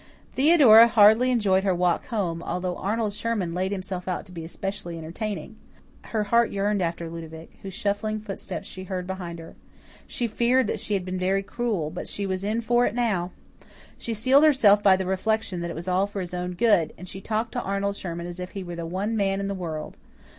Theodora hardly enjoyed her walk home, although Arnold Sherman laid himself out to be especially entertaining. Her heart yearned after Ludovic, whose shuffling footsteps she heard behind her. She feared that she had been very cruel, but she was in for it now. She steeled herself by the reflection that it was all for his own good, and she talked to Arnold Sherman as if he were the one man in the world.